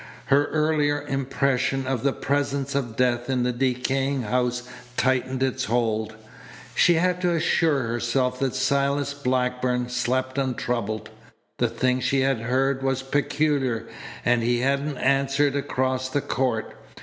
Her earlier impression of the presence of death in the decaying house tightened its hold. She had to assure herself that Silas Blackburn slept untroubled. The thing she had heard was peculiar, and he hadn't answered across the court.